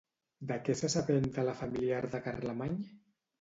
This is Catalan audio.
De què s'assabenta la familiar de Carlemany?